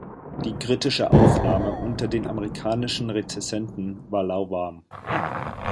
Die kritische Aufnahme unter den amerikanischen Rezensenten war lauwarm.